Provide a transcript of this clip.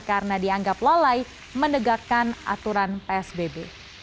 karena dianggap lalai menegakkan aturan psbb